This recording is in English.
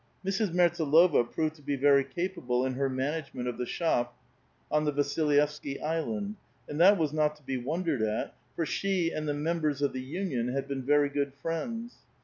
Mrs. Mertsdlova proved to be very capable in her management of the shop on the Vasil yevsky Island ; and that was not to be wondered at, for she and the members of the union had been very good friends.